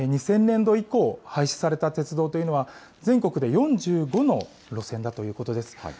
２０００年度以降、廃止された鉄道というのは、全国で４５の路線だということです。